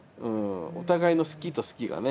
お互いの好きと好きがね。